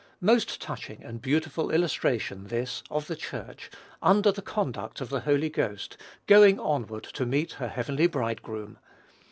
Most touching and beautiful illustration this of the Church, under the conduct of the Holy Ghost, going onward to meet her heavenly Bridegroom.